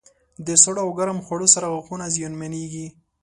د سړو او ګرم خوړو سره غاښونه زیانمنېږي.